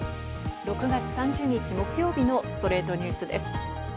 ６月３０日、木曜日の『ストレイトニュース』です。